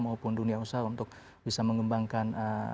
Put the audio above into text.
maupun dunia usaha untuk bisa mengembangkan